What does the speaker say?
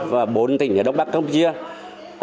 và bốn tỉnh ở hồ chí minh